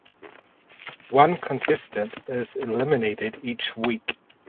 One contestant is eliminated each week.